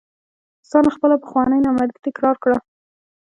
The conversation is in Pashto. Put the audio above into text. روسانو خپله پخوانۍ نامردي تکرار کړه.